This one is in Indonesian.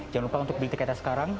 jangan lupa untuk beli tiketnya sekarang